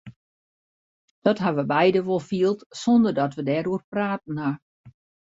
Dat ha we beide wol field sonder dat we dêroer praten ha.